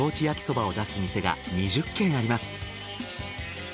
焼きそばを出す店が２０軒あります。